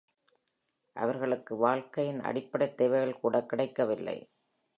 அவர்களுக்கு வாழ்க்கையின் அடிப்படைத் தேவைகள் கூடக் கிடைக்கவில்லை.